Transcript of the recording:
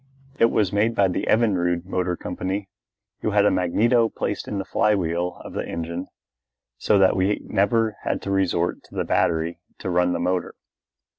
It was made by the Evinrude Motor Company, who had a magneto placed in the flywheel of the engine so that we never had to resort to the battery to run the motor.